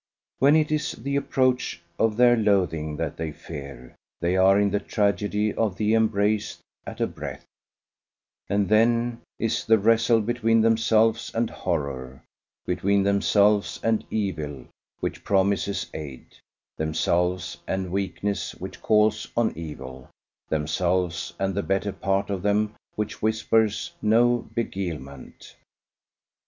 When it is the approach of their loathing that they fear, they are in the tragedy of the embrace at a breath; and then is the wrestle between themselves and horror, between themselves and evil, which promises aid; themselves and weakness, which calls on evil; themselves and the better part of them, which whispers no beguilement.